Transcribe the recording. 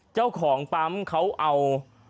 เจ้าของปั๊มเขาเอา